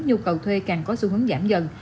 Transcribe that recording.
nhu cầu thuê càng có xu hướng giảm dần